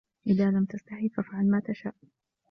اذالم تستحي فأفعل ما تشاء